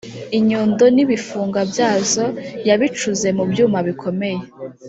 inyundo n ibifunga byazo yabicuze mubyuma bikomeye